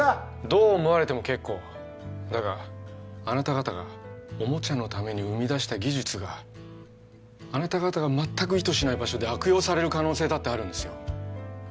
どう思われても結構だがあなた方がおもちゃのために生み出した技術があなた方が全く意図しない場所で悪用される可能性だってあるんですよ